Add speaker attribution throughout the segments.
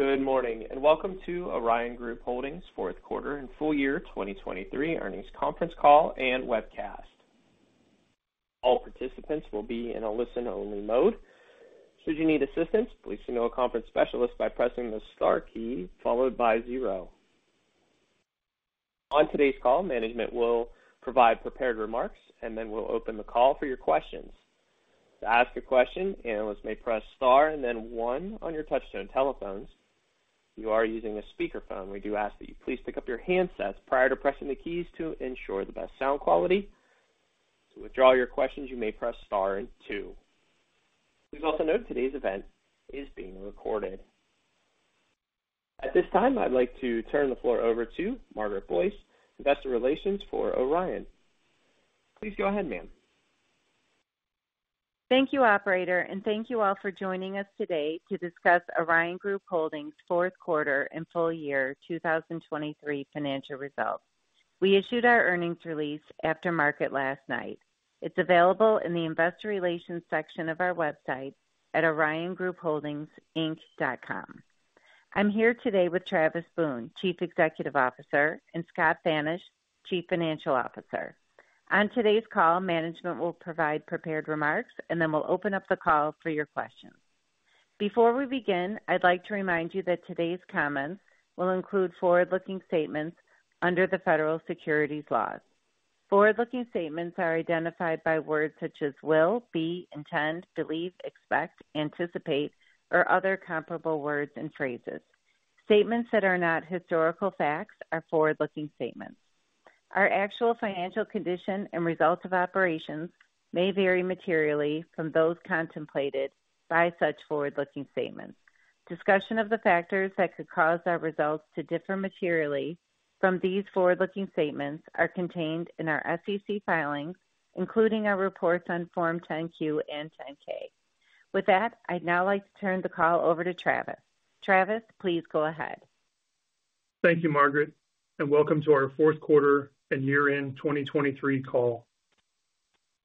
Speaker 1: Good morning, and welcome to Orion Group Holdings' fourth quarter and full year 2023 earnings conference call and webcast. All participants will be in a listen-only mode. Should you need assistance, please signal a conference specialist by pressing the star key followed by zero. On today's call, management will provide prepared remarks and then we'll open the call for your questions. To ask a question, analysts may press Star and then one on your touchtone telephones. If you are using a speakerphone, we do ask that you please pick up your handsets prior to pressing the keys to ensure the best sound quality. To withdraw your questions, you may press Star and two. Please also note today's event is being recorded. At this time, I'd like to turn the floor over to Margaret Boyce, Investor Relations for Orion. Please go ahead, ma'am.
Speaker 2: Thank you, operator, and thank you all for joining us today to discuss Orion Group Holdings' fourth quarter and full year 2023 financial results. We issued our earnings release after market last night. It's available in the Investor Relations section of our website at oriongroupholdingsinc.com. I'm here today with Travis Boone, Chief Executive Officer, and Scott Thanisch, Chief Financial Officer. On today's call, management will provide prepared remarks, and then we'll open up the call for your questions. Before we begin, I'd like to remind you that today's comments will include forward-looking statements under the Federal Securities laws. Forward-looking statements are identified by words such as will, be, intend, believe, expect, anticipate, or other comparable words and phrases. Statements that are not historical facts are forward-looking statements. Our actual financial condition and results of operations may vary materially from those contemplated by such forward-looking statements. Discussion of the factors that could cause our results to differ materially from these forward-looking statements are contained in our SEC filings, including our reports on Form 10-Q and 10-K. With that, I'd now like to turn the call over to Travis. Travis, please go ahead.
Speaker 3: Thank you, Margaret, and welcome to our fourth quarter and year-end 2023 call.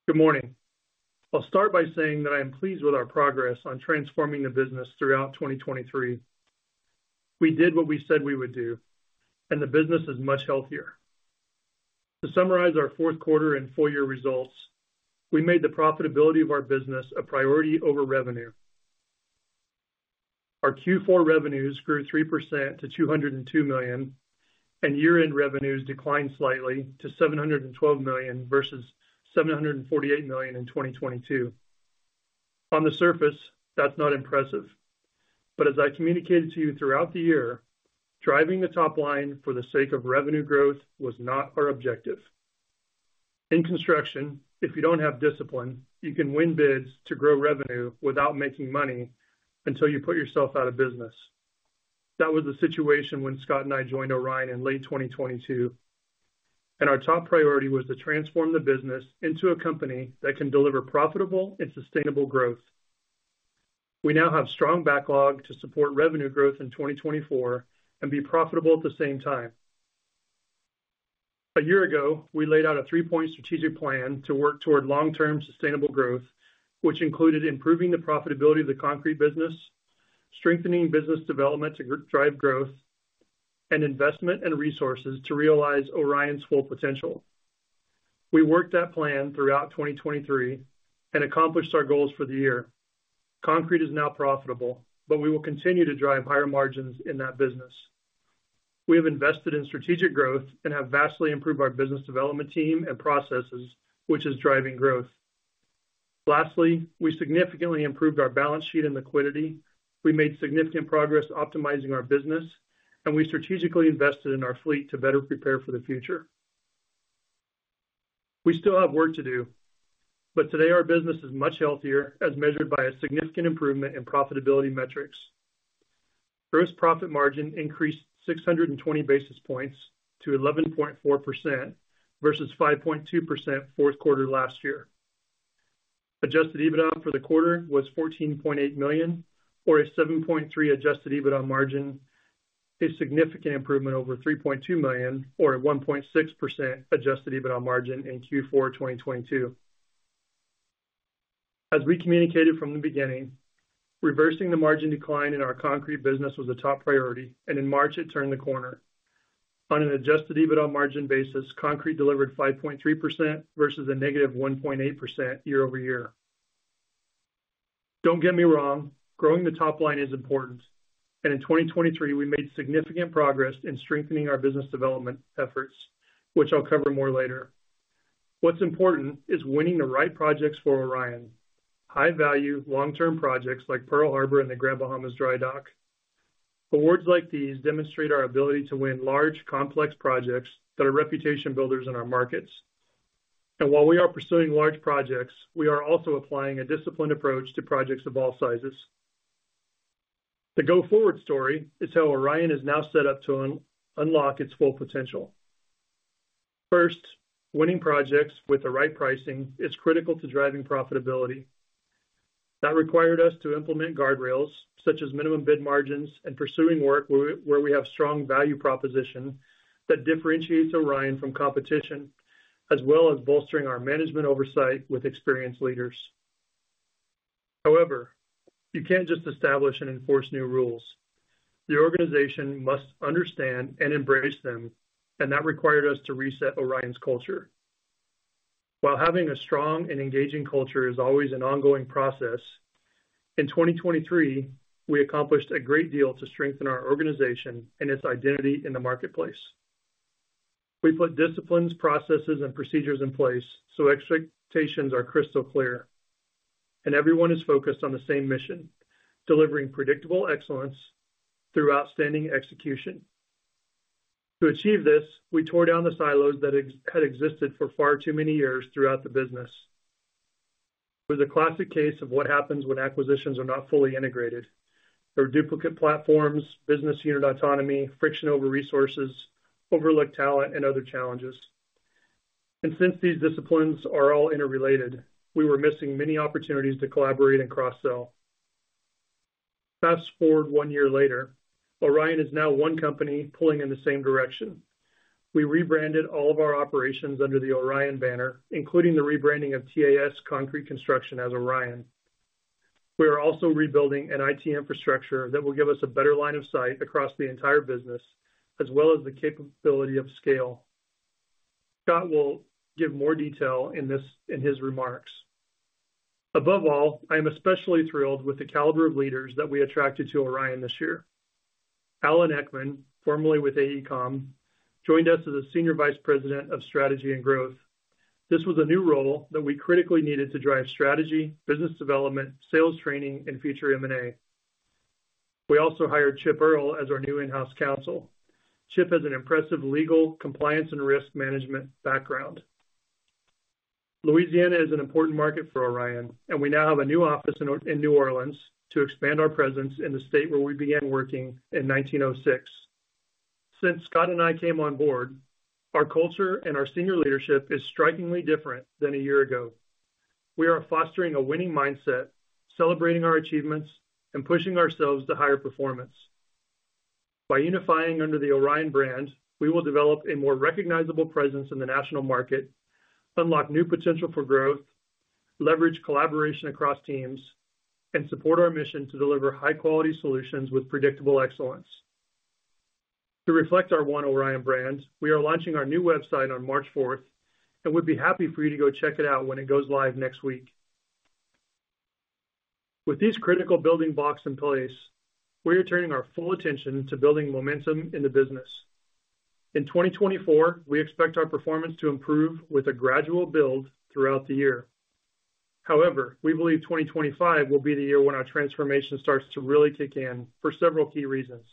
Speaker 3: Good morning. I'll start by saying that I am pleased with our progress on transforming the business throughout 2023. We did what we said we would do, and the business is much healthier. To summarize our fourth quarter and full year results, we made the profitability of our business a priority over revenue. Our Q4 revenues grew 3% to $202 million, and year-end revenues declined slightly to $712 million versus $748 million in 2022. On the surface, that's not impressive, but as I communicated to you throughout the year, driving the top line for the sake of revenue growth was not our objective. In construction, if you don't have discipline, you can win bids to grow revenue without making money until you put yourself out of business. That was the situation when Scott and I joined Orion in late 2022, and our top priority was to transform the business into a company that can deliver profitable and sustainable growth. We now have strong backlog to support revenue growth in 2024 and be profitable at the same time. A year ago, we laid out a three-point strategic plan to work toward long-term sustainable growth, which included improving the profitability of the concrete business, strengthening business development to drive growth, and investment and resources to realize Orion's full potential. We worked that plan throughout 2023 and accomplished our goals for the year. Concrete is now profitable, but we will continue to drive higher margins in that business. We have invested in strategic growth and have vastly improved our business development team and processes, which is driving growth. Lastly, we significantly improved our balance sheet and liquidity. We made significant progress optimizing our business, and we strategically invested in our fleet to better prepare for the future. We still have work to do, but today our business is much healthier, as measured by a significant improvement in profitability metrics. Gross profit margin increased 620 basis points to 11.4% versus 5.2% fourth quarter last year. Adjusted EBITDA for the quarter was $14.8 million, or a 7.3 adjusted EBITDA margin, a significant improvement over $3.2 million, or a 1.6% adjusted EBITDA margin in Q4 2022. As we communicated from the beginning, reversing the margin decline in our concrete business was a top priority, and in March, it turned the corner. On an adjusted EBITDA margin basis, Concrete delivered 5.3% versus a -1.8% year-over-year. Don't get me wrong, growing the top line is important, and in 2023, we made significant progress in strengthening our business development efforts, which I'll cover more later. What's important is winning the right projects for Orion. High-value, long-term projects like Pearl Harbor and the Grand Bahama Dry Dock. Awards like these demonstrate our ability to win large, complex projects that are reputation builders in our markets. And while we are pursuing large projects, we are also applying a disciplined approach to projects of all sizes. The go-forward story is how Orion is now set up to unlock its full potential. First, winning projects with the right pricing is critical to driving profitability. That required us to implement guardrails, such as minimum bid margins and pursuing work where we have strong value proposition that differentiates Orion from competition, as well as bolstering our management oversight with experienced leaders. However, you can't just establish and enforce new rules. The organization must understand and embrace them, and that required us to reset Orion's culture. While having a strong and engaging culture is always an ongoing process, in 2023, we accomplished a great deal to strengthen our organization and its identity in the marketplace. We put disciplines, processes, and procedures in place so expectations are crystal clear, and everyone is focused on the same mission: delivering predictable excellence through outstanding execution. To achieve this, we tore down the silos that existed for far too many years throughout the business. It was a classic case of what happens when acquisitions are not fully integrated. There are duplicate platforms, business unit autonomy, friction over resources, overlooked talent, and other challenges. And since these disciplines are all interrelated, we were missing many opportunities to collaborate and cross-sell. Fast forward one year later, Orion is now one company pulling in the same direction. We rebranded all of our operations under the Orion banner, including the rebranding of TAS Concrete Construction as Orion. We are also rebuilding an IT infrastructure that will give us a better line of sight across the entire business, as well as the capability of scale. Scott will give more detail in his remarks. Above all, I am especially thrilled with the caliber of leaders that we attracted to Orion this year. Allen Eckman, formerly with AECOM, joined us as the Senior Vice President of Strategy and Growth. This was a new role that we critically needed to drive strategy, business development, sales training, and future M&A. We also hired Chip Earle as our new in-house counsel. Chip has an impressive legal, compliance, and risk management background. Louisiana is an important market for Orion, and we now have a new office in New Orleans to expand our presence in the state where we began working in 1906. Since Scott and I came on board, our culture and our senior leadership is strikingly different than a year ago. We are fostering a winning mindset, celebrating our achievements, and pushing ourselves to higher performance. By unifying under the Orion brand, we will develop a more recognizable presence in the national market, unlock new potential for growth, leverage collaboration across teams, and support our mission to deliver high-quality solutions with predictable excellence. To reflect our One Orion brand, we are launching our new website on March fourth, and we'd be happy for you to go check it out when it goes live next week. With these critical building blocks in place, we are turning our full attention to building momentum in the business. In 2024, we expect our performance to improve with a gradual build throughout the year. However, we believe 2025 will be the year when our transformation starts to really kick in for several key reasons.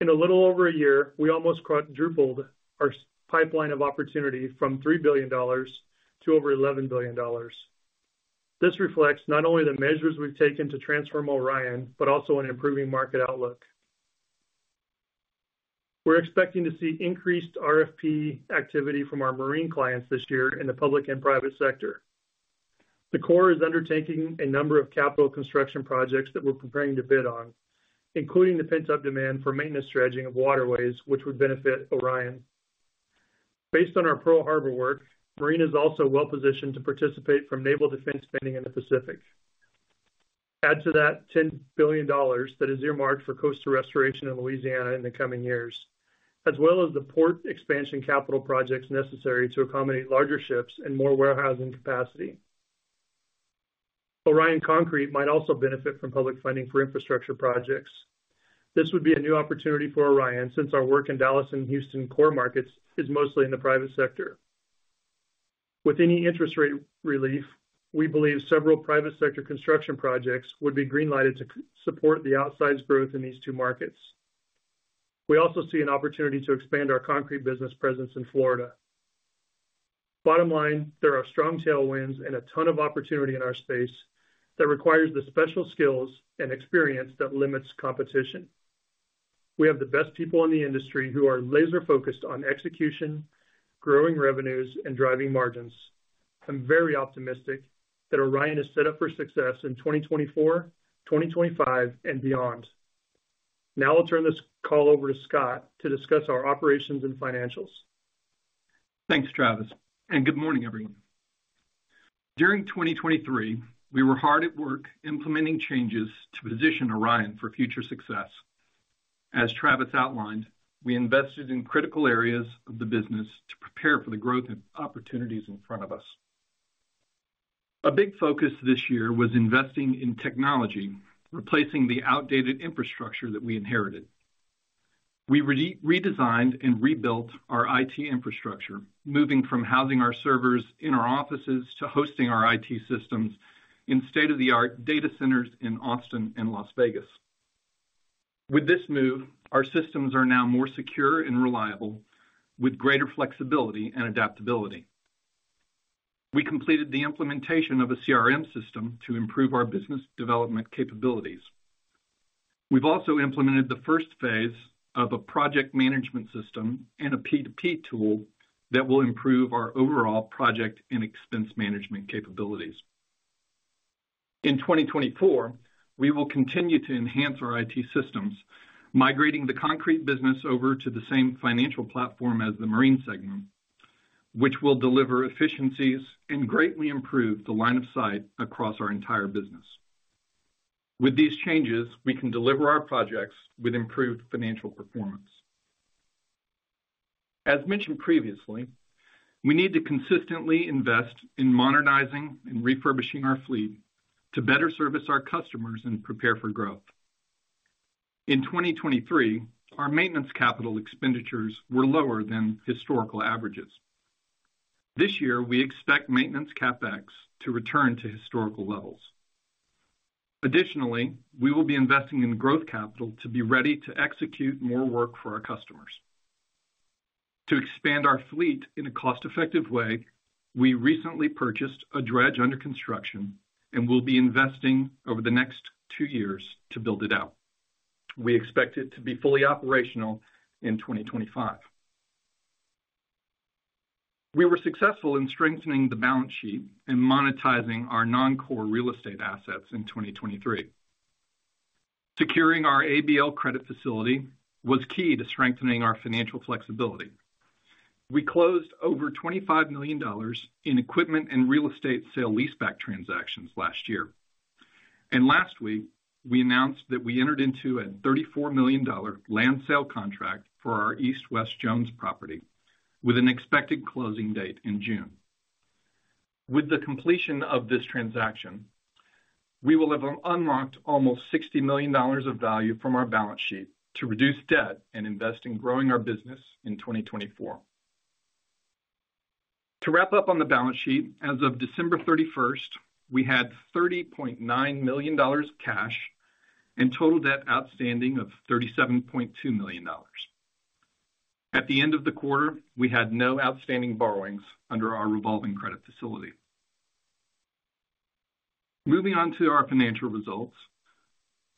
Speaker 3: In a little over a year, we almost quadrupled our pipeline of opportunity from $3 billion to over $11 billion. This reflects not only the measures we've taken to transform Orion, but also an improving market outlook. We're expecting to see increased RFP activity from our marine clients this year in the public and private sector. The Corps is undertaking a number of capital construction projects that we're preparing to bid on, including the pent-up demand for maintenance dredging of waterways, which would benefit Orion. Based on our Pearl Harbor work, Marine is also well-positioned to participate from naval defense spending in the Pacific. Add to that $10 billion that is earmarked for coastal restoration in Louisiana in the coming years, as well as the port expansion capital projects necessary to accommodate larger ships and more warehousing capacity. Orion Concrete might also benefit from public funding for infrastructure projects. This would be a new opportunity for Orion, since our work in Dallas and Houston core markets is mostly in the private sector. With any interest rate relief, we believe several private sector construction projects would be green lighted to support the outsized growth in these two markets. We also see an opportunity to expand our concrete business presence in Florida. Bottom line, there are strong tailwinds and a ton of opportunity in our space that requires the special skills and experience that limits competition. We have the best people in the industry who are laser-focused on execution, growing revenues, and driving margins. I'm very optimistic that Orion is set up for success in 2024, 2025, and beyond. Now I'll turn this call over to Scott to discuss our operations and financials.
Speaker 4: Thanks, Travis, and good morning, everyone. During 2023, we were hard at work implementing changes to position Orion for future success. As Travis outlined, we invested in critical areas of the business to prepare for the growth and opportunities in front of us. A big focus this year was investing in technology, replacing the outdated infrastructure that we inherited. We redesigned and rebuilt our IT infrastructure, moving from housing our servers in our offices to hosting our IT systems in state-of-the-art data centers in Austin and Las Vegas. With this move, our systems are now more secure and reliable, with greater flexibility and adaptability. We completed the implementation of a CRM system to improve our business development capabilities. We've also implemented the first phase of a project management system and a P2P tool that will improve our overall project and expense management capabilities.... In 2024, we will continue to enhance our IT systems, migrating the concrete business over to the same financial platform as the marine segment, which will deliver efficiencies and greatly improve the line of sight across our entire business. With these changes, we can deliver our projects with improved financial performance. As mentioned previously, we need to consistently invest in modernizing and refurbishing our fleet to better service our customers and prepare for growth. In 2023, our maintenance capital expenditures were lower than historical averages. This year, we expect maintenance CapEx to return to historical levels. Additionally, we will be investing in growth capital to be ready to execute more work for our customers. To expand our fleet in a cost-effective way, we recently purchased a dredge under construction and will be investing over the next two years to build it out. We expect it to be fully operational in 2025. We were successful in strengthening the balance sheet and monetizing our non-core real estate assets in 2023. Securing our ABL credit facility was key to strengthening our financial flexibility. We closed over $25 million in equipment and real estate sale-leaseback transactions last year. Last week, we announced that we entered into a $34 million land sale contract for our East West Jones property, with an expected closing date in June. With the completion of this transaction, we will have unlocked almost $60 million of value from our balance sheet to reduce debt and invest in growing our business in 2024. To wrap up on the balance sheet, as of December 31, we had $30.9 million cash and total debt outstanding of $37.2 million. At the end of the quarter, we had no outstanding borrowings under our revolving credit facility. Moving on to our financial results.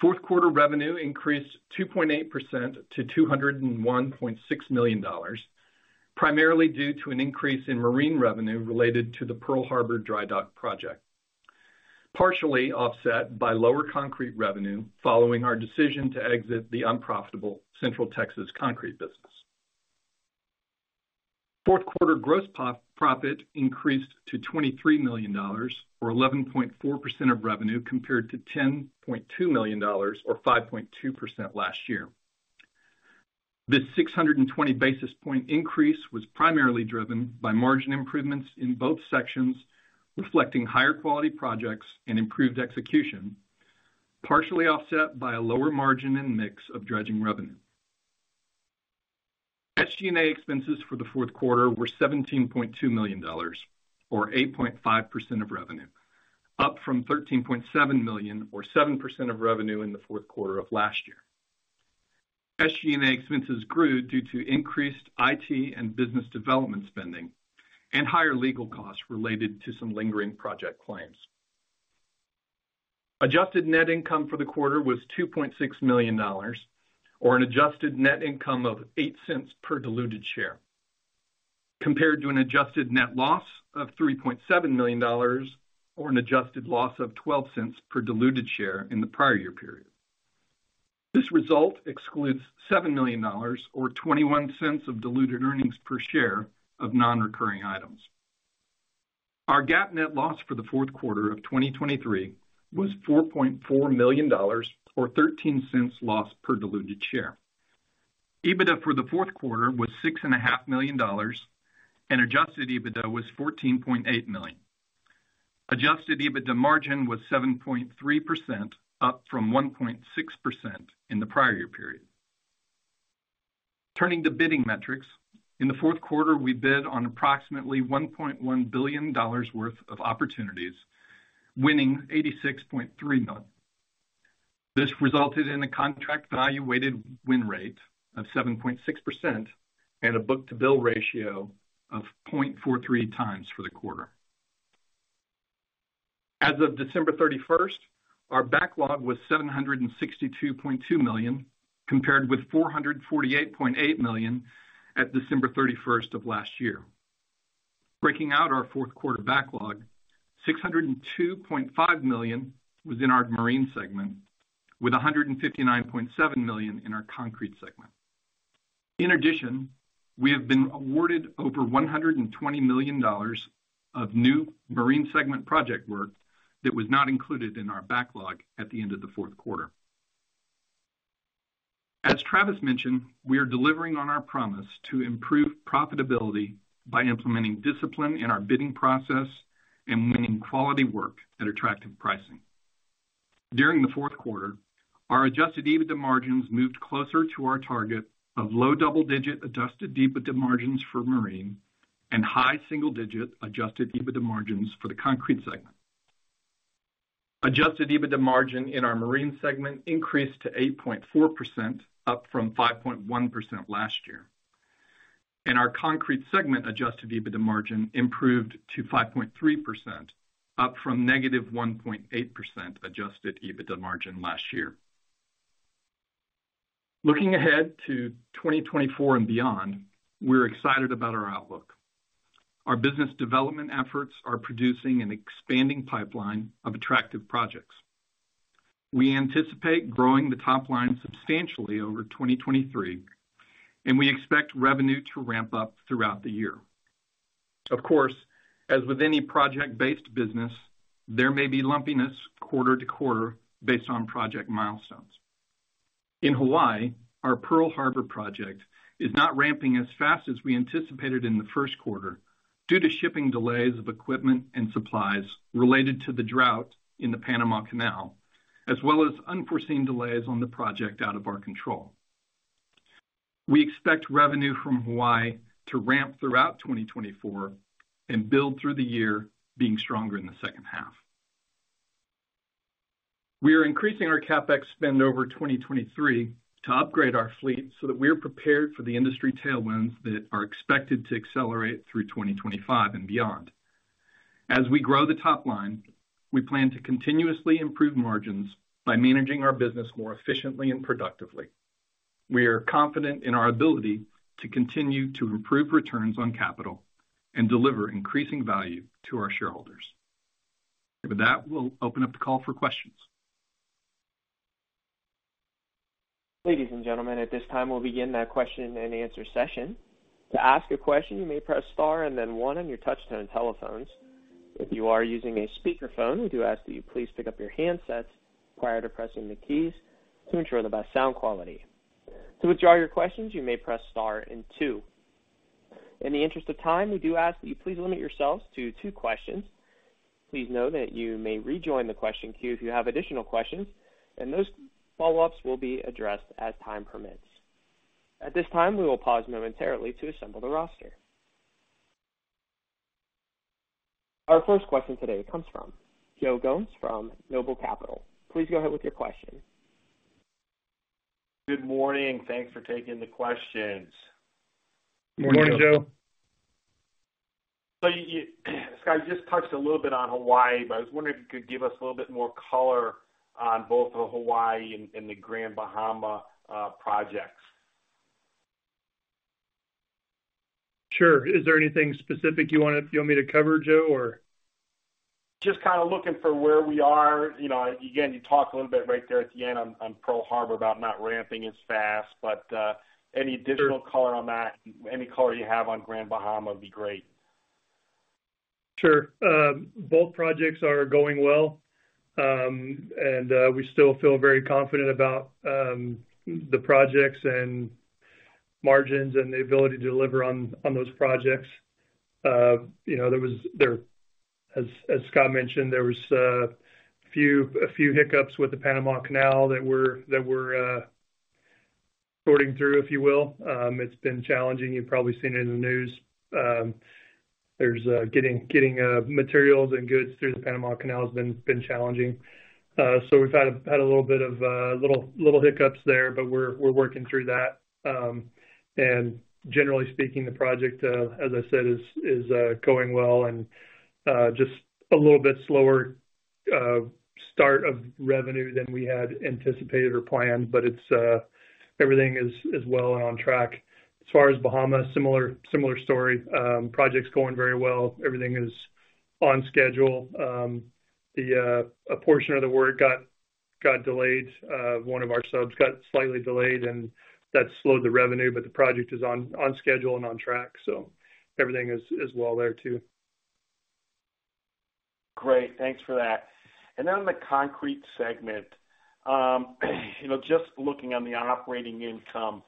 Speaker 4: Fourth quarter revenue increased 2.8% to $201.6 million, primarily due to an increase in marine revenue related to the Pearl Harbor Dry Dock project, partially offset by lower concrete revenue following our decision to exit the unprofitable Central Texas concrete business. Fourth quarter gross profit increased to $23 million, or 11.4% of revenue, compared to $10.2 million, or 5.2% last year. This 620 basis point increase was primarily driven by margin improvements in both sections, reflecting higher quality projects and improved execution, partially offset by a lower margin and mix of dredging revenue. SG&A expenses for the fourth quarter were $17.2 million, or 8.5% of revenue, up from $13.7 million, or 7% of revenue in the fourth quarter of last year. SG&A expenses grew due to increased IT and business development spending, and higher legal costs related to some lingering project claims. Adjusted net income for the quarter was $2.6 million, or an adjusted net income of $0.08 per diluted share, compared to an adjusted net loss of $3.7 million, or an adjusted loss of $0.12 per diluted share in the prior year period. This result excludes $7 million, or $0.21 of diluted earnings per share of non-recurring items. Our GAAP net loss for the fourth quarter of 2023 was $4.4 million, or $0.13 loss per diluted share. EBITDA for the fourth quarter was $6.5 million, and adjusted EBITDA was $14.8 million. Adjusted EBITDA margin was 7.3%, up from 1.6% in the prior year period. Turning to bidding metrics, in the fourth quarter, we bid on approximately $1.1 billion worth of opportunities, winning $86.3 million. This resulted in a contract value weighted win rate of 7.6% and a book-to-bill ratio of 0.43x for the quarter. As of December 31, our backlog was $762.2 million, compared with $448.8 million at December 31 of last year. Breaking out our fourth quarter backlog, $602.5 million was in our marine segment, with $159.7 million in our concrete segment. In addition, we have been awarded over $120 million of new marine segment project work that was not included in our backlog at the end of the fourth quarter. As Travis mentioned, we are delivering on our promise to improve profitability by implementing discipline in our bidding process and winning quality work at attractive pricing. During the fourth quarter, our adjusted EBITDA margins moved closer to our target of low double-digit adjusted EBITDA margins for marine and high single-digit adjusted EBITDA margins for the concrete segment. Adjusted EBITDA margin in our marine segment increased to 8.4%, up from 5.1% last year, and our concrete segment adjusted EBITDA margin improved to 5.3%, up from negative 1.8% adjusted EBITDA margin last year. Looking ahead to 2024 and beyond, we're excited about our outlook. Our business development efforts are producing an expanding pipeline of attractive projects. We anticipate growing the top line substantially over 2023, and we expect revenue to ramp up throughout the year. Of course, as with any project-based business, there may be lumpiness quarter to quarter based on project milestones. In Hawaii, our Pearl Harbor project is not ramping as fast as we anticipated in the first quarter due to shipping delays of equipment and supplies related to the drought in the Panama Canal, as well as unforeseen delays on the project out of our control. We expect revenue from Hawaii to ramp throughout 2024 and build through the year, being stronger in the second half. We are increasing our CapEx spend over 2023 to upgrade our fleet so that we are prepared for the industry tailwinds that are expected to accelerate through 2025 and beyond. As we grow the top line, we plan to continuously improve margins by managing our business more efficiently and productively. We are confident in our ability to continue to improve returns on capital and deliver increasing value to our shareholders. With that, we'll open up the call for questions.
Speaker 1: Ladies and gentlemen, at this time, we'll begin the question-and-answer session. To ask a question, you may press Star and then one on your touchtone telephones. If you are using a speakerphone, we do ask that you please pick up your handsets prior to pressing the keys to ensure the best sound quality. To withdraw your questions, you may press Star and two. In the interest of time, we do ask that you please limit yourselves to two questions. Please note that you may rejoin the question queue if you have additional questions, and those follow-ups will be addressed as time permits. At this time, we will pause momentarily to assemble the roster. Our first question today comes from Joe Gomes from Noble Capital. Please go ahead with your question.
Speaker 5: Good morning. Thanks for taking the questions.
Speaker 4: Good morning, Joe.
Speaker 5: So you, Scott, you just touched a little bit on Hawaii, but I was wondering if you could give us a little bit more color on both the Hawaii and the Grand Bahama projects?
Speaker 3: Sure. Is there anything specific you wanted, you want me to cover, Joe, or?
Speaker 5: Just kinda looking for where we are. You know, again, you talked a little bit right there at the end on Pearl Harbor about not ramping as fast, but any additional color on that, any color you have on Grand Bahama would be great.
Speaker 3: Sure. Both projects are going well, and we still feel very confident about the projects and margins and the ability to deliver on those projects. You know, there was, as Scott mentioned, a few hiccups with the Panama Canal that we're sorting through, if you will. It's been challenging. You've probably seen it in the news. There's getting materials and goods through the Panama Canal has been challenging. So we've had a little bit of little hiccups there, but we're working through that. And generally speaking, the project, as I said, is going well and just a little bit slower start of revenue than we had anticipated or planned, but it's everything is well and on track. As far as Bahamas, similar story. Project's going very well. Everything is on schedule. A portion of the work got delayed. One of our subs got slightly delayed, and that slowed the revenue, but the project is on schedule and on track, so everything is well there, too.
Speaker 5: Great. Thanks for that. And then on the concrete segment, you know, just looking on the operating income,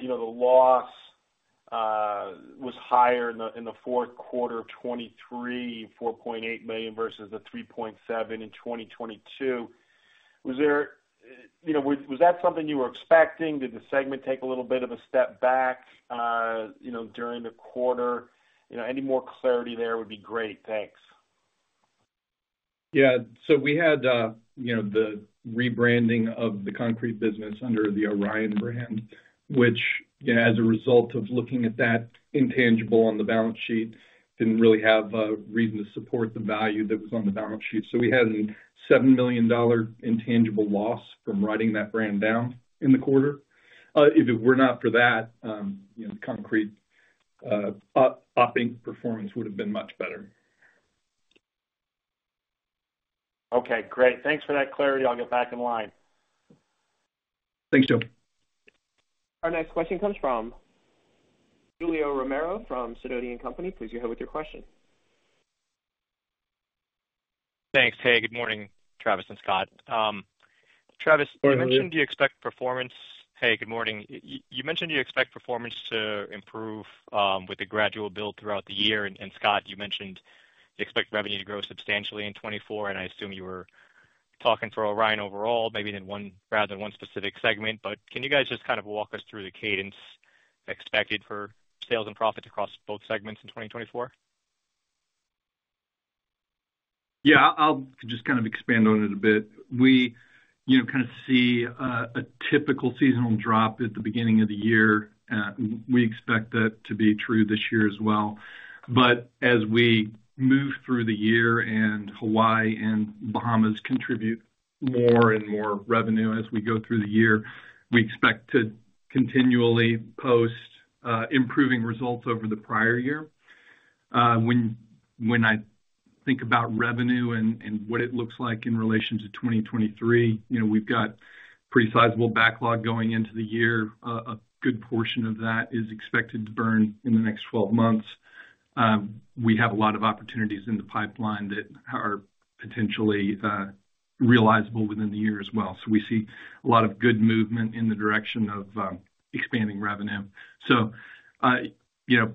Speaker 5: you know, the loss was higher in the fourth quarter of 2023, $4.8 million versus the $3.7 million in 2022. Was there, you know, was that something you were expecting? Did the segment take a little bit of a step back, you know, during the quarter? You know, any more clarity there would be great. Thanks.
Speaker 4: Yeah. So we had, you know, the rebranding of the concrete business under the Orion brand, which, you know, as a result of looking at that intangible on the balance sheet, didn't really have reason to support the value that was on the balance sheet. So we had a $7 million intangible loss from writing that brand down in the quarter. If it were not for that, you know, concrete operating income performance would have been much better.
Speaker 5: Okay, great. Thanks for that clarity. I'll get back in line.
Speaker 4: Thanks, Joe.
Speaker 1: Our next question comes from Julio Romero from Sidoti & Company. Please go ahead with your question.
Speaker 6: Thanks. Hey, good morning, Travis and Scott. Travis-
Speaker 3: Good morning.
Speaker 6: Hey, good morning. You mentioned you expect performance to improve, with a gradual build throughout the year. And Scott, you mentioned you expect revenue to grow substantially in 2024, and I assume you were talking for Orion overall, maybe in one- rather than one specific segment. But can you guys just kind of walk us through the cadence expected for sales and profits across both segments in 2024?...
Speaker 4: Yeah, I'll just kind of expand on it a bit. We, you know, kind of see a typical seasonal drop at the beginning of the year, and we expect that to be true this year as well. But as we move through the year and Hawaii and Bahamas contribute more and more revenue as we go through the year, we expect to continually post improving results over the prior year. When I think about revenue and what it looks like in relation to 2023, you know, we've got pretty sizable backlog going into the year. A good portion of that is expected to burn in the next 12 months. We have a lot of opportunities in the pipeline that are potentially realizable within the year as well. So we see a lot of good movement in the direction of expanding revenue. So, you know,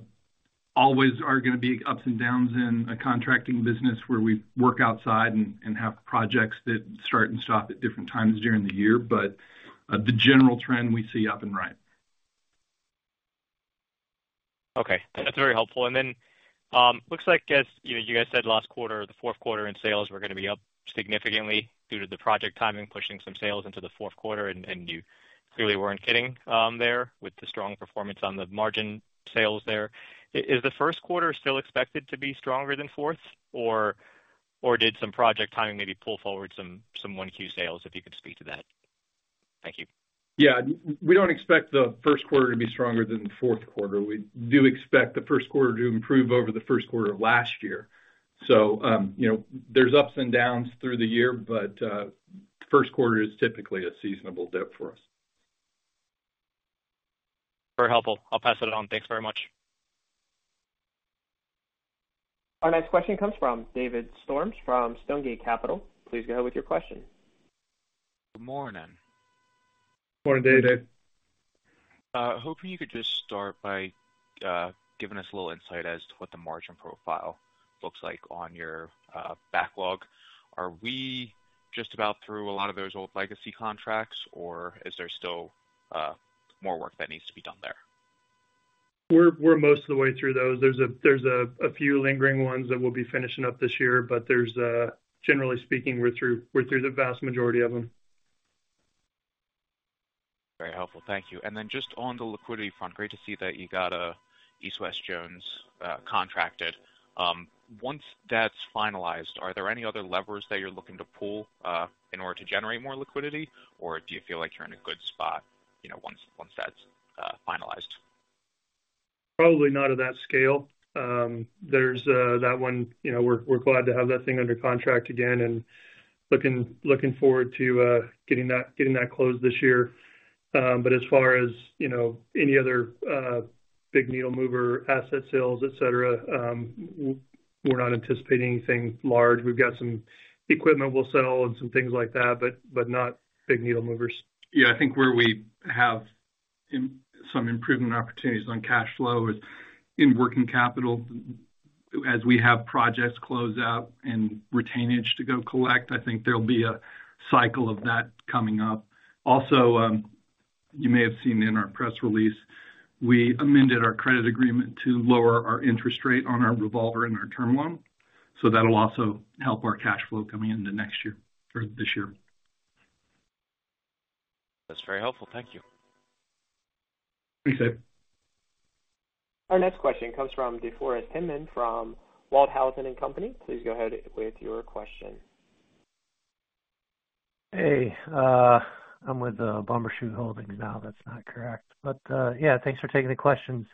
Speaker 4: always are gonna be ups and downs in a contracting business where we work outside and have projects that start and stop at different times during the year. But, the general trend we see up and right.
Speaker 6: Okay, that's very helpful. And then, looks like as, you know, you guys said last quarter, the fourth quarter in sales were gonna be up significantly due to the project timing, pushing some sales into the fourth quarter, and, and you clearly weren't kidding, there, with the strong performance on the marine sales there. Is the first quarter still expected to be stronger than fourth, or, or did some project timing maybe pull forward some, some 1Q sales, if you could speak to that? Thank you.
Speaker 4: Yeah, we don't expect the first quarter to be stronger than the fourth quarter. We do expect the first quarter to improve over the first quarter of last year. So, you know, there's ups and downs through the year, but, first quarter is typically a seasonal dip for us.
Speaker 6: Very helpful. I'll pass it on. Thanks very much.
Speaker 1: Our next question comes from David Storms, from Stonegate Capital. Please go ahead with your question.
Speaker 7: Good morning.
Speaker 4: Good morning, David.
Speaker 7: Hoping you could just start by giving us a little insight as to what the margin profile looks like on your backlog. Are we just about through a lot of those old legacy contracts, or is there still more work that needs to be done there?
Speaker 4: We're most of the way through those. There's a few lingering ones that we'll be finishing up this year, but generally speaking, we're through the vast majority of them.
Speaker 7: Very helpful. Thank you. And then just on the liquidity front, great to see that you got East West Jones contracted. Once that's finalized, are there any other levers that you're looking to pull in order to generate more liquidity? Or do you feel like you're in a good spot, you know, once that's finalized?
Speaker 4: Probably not at that scale. There's that one, you know, we're glad to have that thing under contract again and looking forward to getting that closed this year. But as far as, you know, any other big needle mover, asset sales, et cetera, we're not anticipating anything large. We've got some equipment we'll sell and some things like that, but not big needle movers.
Speaker 3: Yeah, I think where we have some improvement opportunities on cash flow is in working capital. As we have projects close out and retainage to go collect, I think there'll be a cycle of that coming up. Also, you may have seen in our press release, we amended our credit agreement to lower our interest rate on our revolver and our term loan, so that'll also help our cash flow coming into next year or this year.
Speaker 7: That's very helpful. Thank you.
Speaker 4: Thank you.
Speaker 1: Our next question comes from DeForest Hinman from Walthausen and Company. Please go ahead with your question.
Speaker 8: Hey, I'm with Bumbershoot Holdings. No, that's not correct, but yeah, thanks for taking the questions.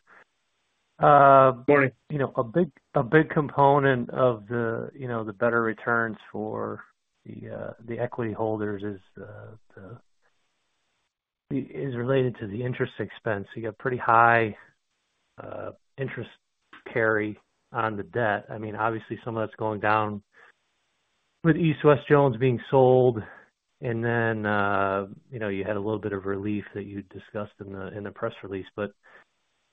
Speaker 4: Good morning.
Speaker 8: You know, a big, a big component of the, you know, the better returns for the equity holders is related to the interest expense. You got pretty high interest carry on the debt. I mean, obviously, some of that's going down with East West Jones being sold, and then, you know, you had a little bit of relief that you discussed in the press release. But,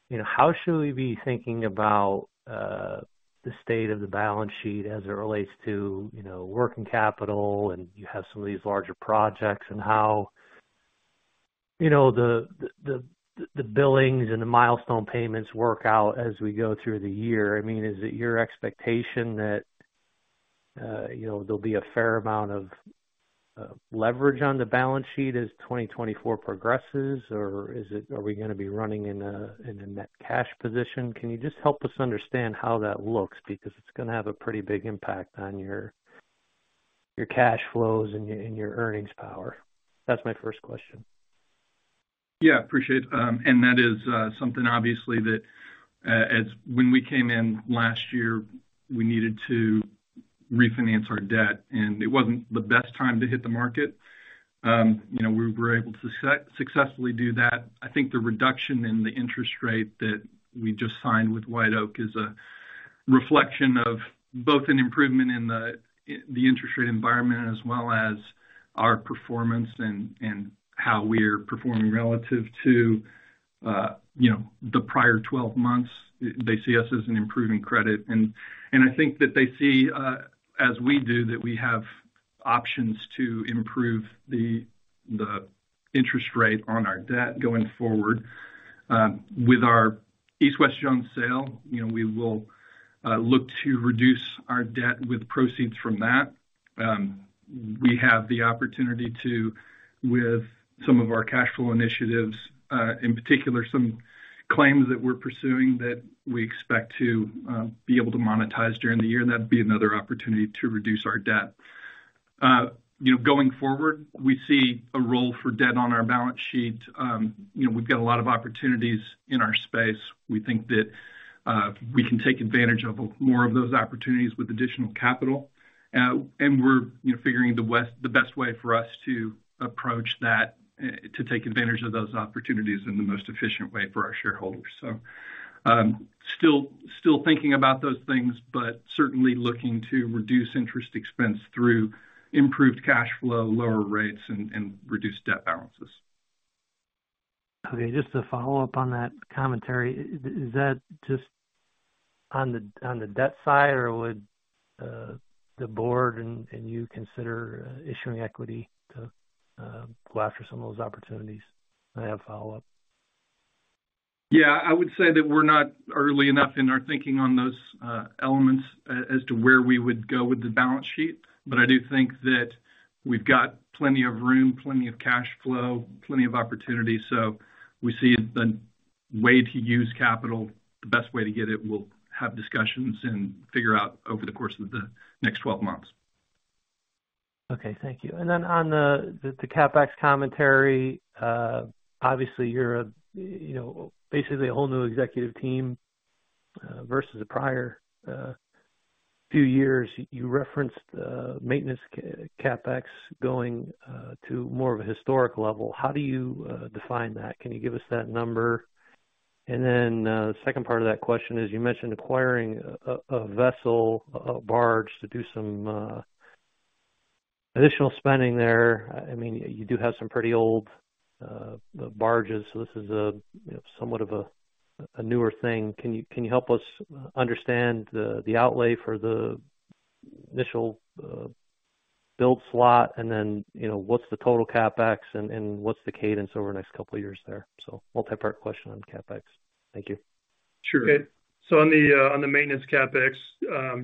Speaker 8: you know, how should we be thinking about the state of the balance sheet as it relates to, you know, working capital, and you have some of these larger projects, and how, you know, the billings and the milestone payments work out as we go through the year? I mean, is it your expectation that, you know, there'll be a fair amount of leverage on the balance sheet as 2024 progresses, or is it, are we gonna be running in a, in a net cash position? Can you just help us understand how that looks? Because it's gonna have a pretty big impact on your, your cash flows and your, and your earnings power. That's my first question.
Speaker 4: Yeah, appreciate it. And that is something obviously that as when we came in last year, we needed to refinance our debt, and it wasn't the best time to hit the market. You know, we were able to successfully do that. I think the reduction in the interest rate that we just signed with White Oak is a reflection of both an improvement in the interest rate environment, as well as our performance and how we're performing relative to you know, the prior 12 months. They see us as an improving credit, and I think that they see, as we do, that we have options to improve the interest rate on our debt going forward. With our East West Jones sale, you know, we will look to reduce our debt with proceeds from that. We have the opportunity to, with some of our cash flow initiatives, in particular, some claims that we're pursuing, that we expect to, be able to monetize during the year, and that'd be another opportunity to reduce our debt. You know, going forward, we see a role for debt on our balance sheet. You know, we've got a lot of opportunities in our space. We think that, we can take advantage of more of those opportunities with additional capital. And we're, you know, figuring the best way for us to approach that, to take advantage of those opportunities in the most efficient way for our shareholders. So, still, still thinking about those things, but certainly looking to reduce interest expense through improved cash flow, lower rates, and, and reduced debt balances.
Speaker 8: Okay, just to follow up on that commentary. Is that just on the debt side, or would the board and you consider issuing equity to go after some of those opportunities? I have a follow-up.
Speaker 4: Yeah, I would say that we're not early enough in our thinking on those, elements as to where we would go with the balance sheet, but I do think that we've got plenty of room, plenty of cash flow, plenty of opportunities, so we see the way to use capital, the best way to get it. We'll have discussions and figure out over the course of the next 12 months.
Speaker 8: Okay, thank you. And then on the CapEx commentary, obviously, you're a, you know, basically a whole new executive team versus the prior few years. You referenced maintenance CapEx going to more of a historic level. How do you define that? Can you give us that number? And then the second part of that question is: You mentioned acquiring a vessel, a barge, to do some additional spending there. I mean, you do have some pretty old barges, so this is a, you know, somewhat of a newer thing. Can you help us understand the outlay for the initial build slot, and then, you know, what's the total CapEx and what's the cadence over the next couple of years there? So multipart question on CapEx. Thank you.
Speaker 4: Sure.
Speaker 3: So on the maintenance CapEx,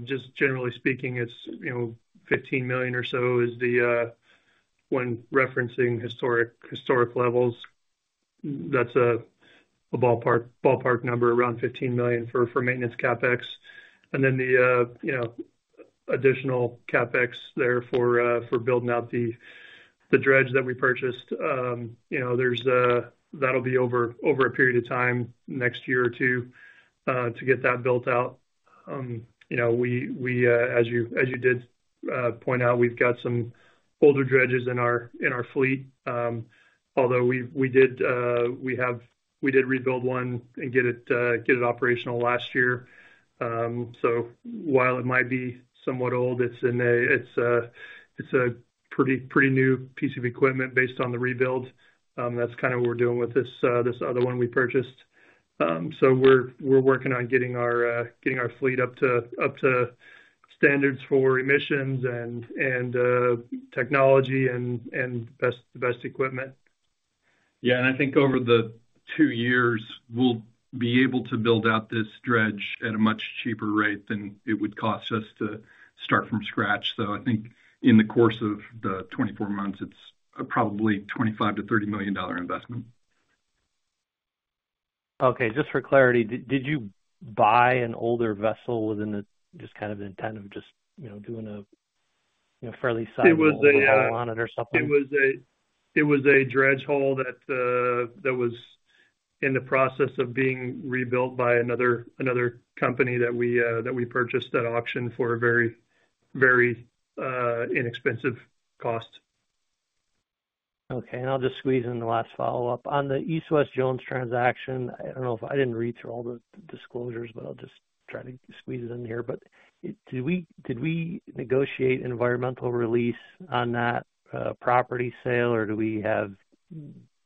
Speaker 3: just generally speaking, it's, you know, $15 million or so is the, when referencing historic levels, that's a ballpark number around $15 million for maintenance CapEx. And then, you know, additional CapEx there for building out the dredge that we purchased. You know, that'll be over a period of time next year or two to get that built out. You know, as you did point out, we've got some older dredges in our fleet. Although we did rebuild one and get it operational last year. So while it might be somewhat old, it's a pretty new piece of equipment based on the rebuild. That's kind of what we're doing with this other one we purchased. So we're working on getting our fleet up to standards for emissions and technology and the best equipment.
Speaker 4: Yeah, and I think over the two years, we'll be able to build out this dredge at a much cheaper rate than it would cost us to start from scratch. So I think in the course of the 24 months, it's probably $25 million-$30 million investment.
Speaker 8: Okay, just for clarity, did you buy an older vessel within the just kind of intent of just, you know, doing a you know fairly solid-
Speaker 4: It was a-
Speaker 8: on it or something?
Speaker 3: It was a dredge hull that was in the process of being rebuilt by another company that we purchased at auction for a very, very inexpensive cost.
Speaker 8: Okay, and I'll just squeeze in the last follow-up. On the East West Jones transaction, I don't know if I didn't read through all the disclosures, but I'll just try to squeeze it in here. But did we, did we negotiate an environmental release on that property sale, or do we have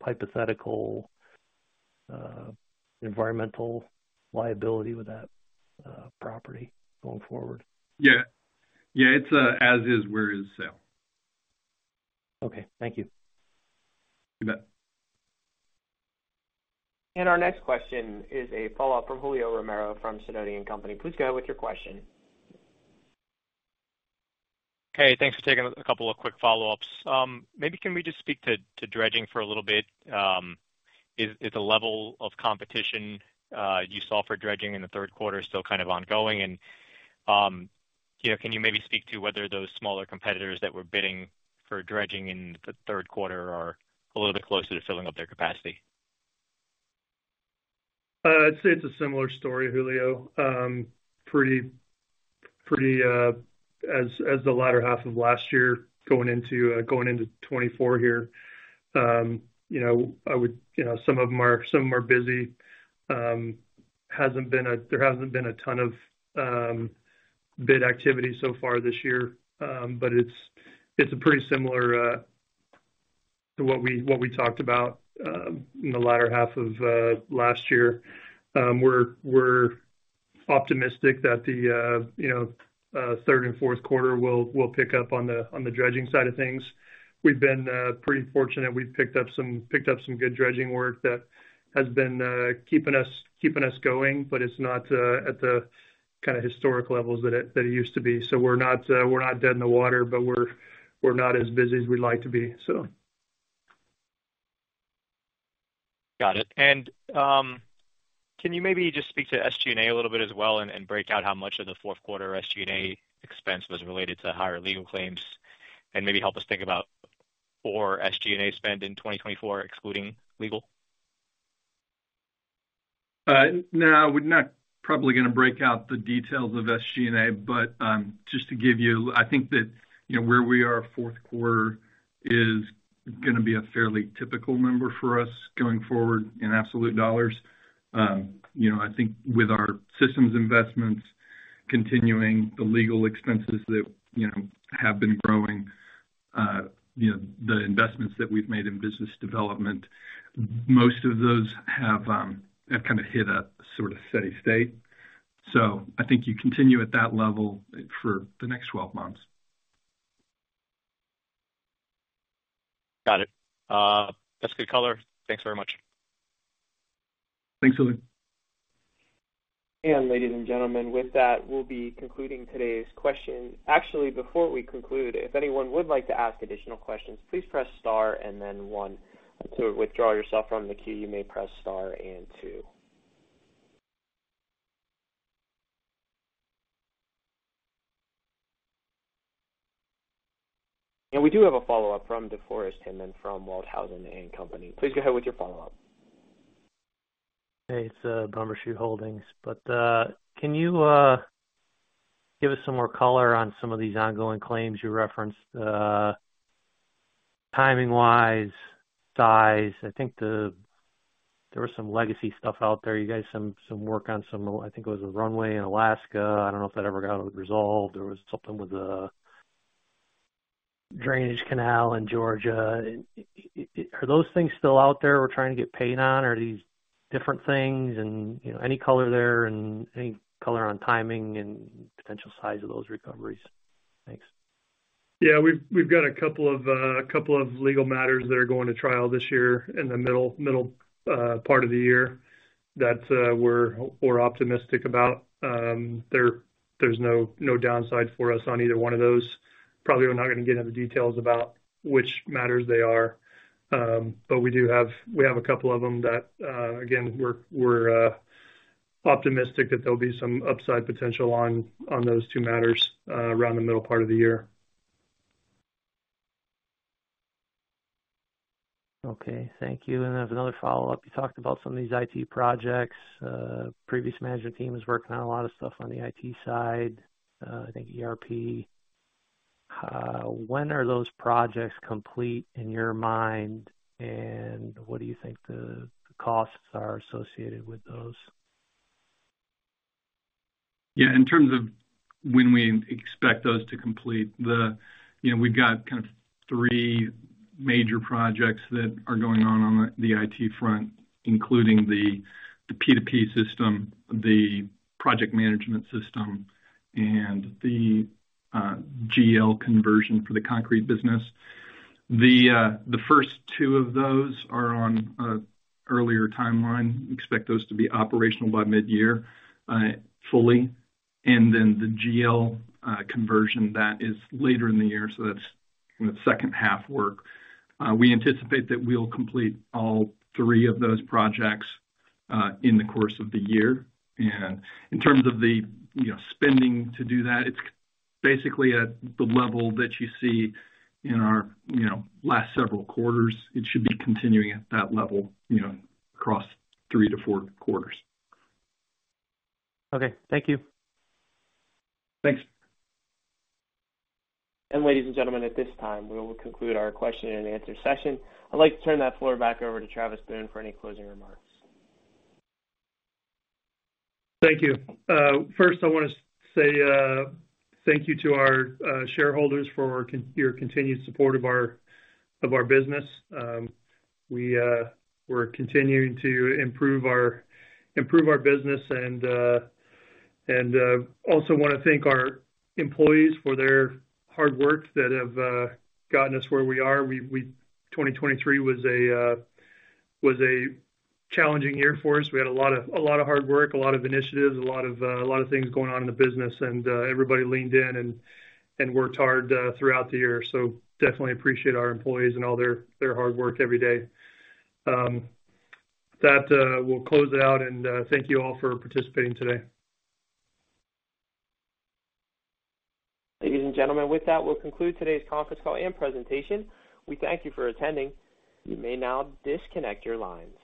Speaker 8: hypothetical environmental liability with that property going forward?
Speaker 4: Yeah. Yeah, it's an as-is, where-is sale.
Speaker 8: Okay, thank you.
Speaker 4: You bet.
Speaker 1: Our next question is a follow-up from Julio Romero from Sidoti & Company. Please go ahead with your question.
Speaker 6: Okay, thanks for taking a couple of quick follow-ups. Maybe can we just speak to dredging for a little bit? Is the level of competition you saw for dredging in the third quarter still kind of ongoing? And, you know, can you maybe speak to whether those smaller competitors that were bidding for dredging in the third quarter are a little bit closer to filling up their capacity?
Speaker 3: I'd say it's a similar story, Julio. Pretty much as the latter half of last year, going into 2024 here. You know, I would... You know, some of them are, some of them are busy. There hasn't been a ton of bid activity so far this year. But it's a pretty similar... So what we, what we talked about in the latter half of last year, we're optimistic that the, you know, third and fourth quarter will pick up on the dredging side of things. We've been pretty fortunate. We've picked up some, picked up some good dredging work that has been keeping us, keeping us going, but it's not at the kinda historic levels that it used to be. So we're not, we're not dead in the water, but we're, we're not as busy as we'd like to be, so.
Speaker 6: Got it. And, can you maybe just speak to SG&A a little bit as well, and break out how much of the fourth quarter SG&A expense was related to higher legal claims? And maybe help us think about more SG&A spend in 2024, excluding legal?
Speaker 3: No, we're not probably gonna break out the details of SG&A, but just to give you, I think that, you know, where we are, fourth quarter is gonna be a fairly typical number for us going forward in absolute dollars. You know, I think with our systems investments continuing, the legal expenses that, you know, have been growing, you know, the investments that we've made in business development, most of those have kind of hit a sort of steady state. So I think you continue at that level for the next twelve months.
Speaker 6: Got it. That's good color. Thanks very much.
Speaker 3: Thanks, Julio.
Speaker 1: And ladies and gentlemen, with that, we'll be concluding today's question. Actually, before we conclude, if anyone would like to ask additional questions, please press Star and then one. To withdraw yourself from the queue, you may press Star and two. And we do have a follow-up from DeForest Hinman from Walthausen and Company. Please go ahead with your follow-up.
Speaker 8: Hey, it's Bumbershoot Holdings. But, can you give us some more color on some of these ongoing claims you referenced? Timing-wise, size, I think there was some legacy stuff out there. You guys, some work on some, I think it was a runway in Alaska. I don't know if that ever got resolved. There was something with a drainage canal in Georgia. Are those things still out there we're trying to get paid on? Are these different things? And, you know, any color there and any color on timing and potential size of those recoveries? Thanks.
Speaker 3: Yeah, we've got a couple of legal matters that are going to trial this year in the middle part of the year that we're optimistic about. There's no downside for us on either one of those. Probably, we're not gonna get into the details about which matters they are, but we do have a couple of them that, again, we're optimistic that there'll be some upside potential on those two matters around the middle part of the year.
Speaker 8: Okay, thank you. I have another follow-up. You talked about some of these IT projects. Previous management team is working on a lot of stuff on the IT side, I think ERP. When are those projects complete in your mind, and what do you think the costs are associated with those?
Speaker 3: Yeah, in terms of when we expect those to complete, you know, we've got kind of three major projects that are going on on the IT front, including the P2P system, the project management system, and the GL conversion for the concrete business. The first two of those are on an earlier timeline. We expect those to be operational by mid-year, fully, and then the GL conversion, that is later in the year, so that's in the second half work. We anticipate that we'll complete all three of those projects in the course of the year. And in terms of the, you know, spending to do that, it's basically at the level that you see in our, you know, last several quarters. It should be continuing at that level, you know, across three to four quarters.
Speaker 8: Okay, thank you.
Speaker 3: Thanks.
Speaker 1: Ladies and gentlemen, at this time, we will conclude our question and answer session. I'd like to turn that floor back over to Travis Boone for any closing remarks.
Speaker 3: Thank you. First, I want to say, thank you to our shareholders for your continued support of our business. We’re continuing to improve our business and also want to thank our employees for their hard work that have gotten us where we are. 2023 was a challenging year for us. We had a lot of hard work, a lot of initiatives, a lot of things going on in the business, and everybody leaned in and worked hard throughout the year. So definitely appreciate our employees and all their hard work every day. That we’ll close it out, and thank you all for participating today.
Speaker 1: Ladies and gentlemen, with that, we'll conclude today's conference call and presentation. We thank you for attending. You may now disconnect your lines.